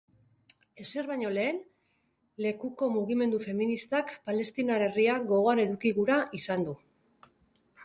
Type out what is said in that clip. Ezer baino lehen, lekuko Mugimendu Feministak palestinar herria gogoan eduki gura izan du.